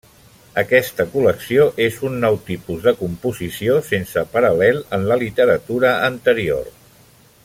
Aquesta col·lecció és un nou tipus de composició sense paral·lel en la literatura anterior.